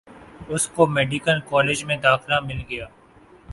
اس کو medical college میں داخلہ مل گیا